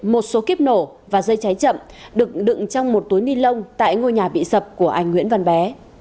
một số kiếp nổ và dây cháy chậm được đựng trong một túi ni lông tại ngôi nhà bị sập của anh nguyễn văn bé